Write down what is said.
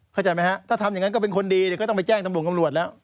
เข้าใจไหมฮะถ้าทำอย่างนั้นก็เป็นคนดีก็ต้องไปแจ้งตำรวจตำรวจแล้ว